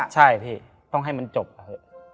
ใช่พี่ต้องให้มันจบอะ